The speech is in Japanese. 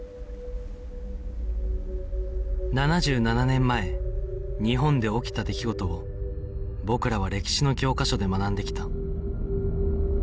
７７年前日本で起きた出来事を僕らは歴史の教科書で学んできた